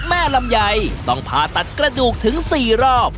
ลำไยต้องผ่าตัดกระดูกถึง๔รอบ